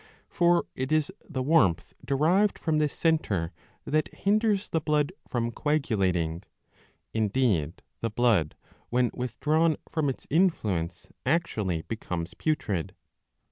For it is the warmth 654b. 40 1!. 9 derived from this centre that hinders the blood from coagulating ;^ indeed the blood, when withdrawn from its influence, actually becomes putrid.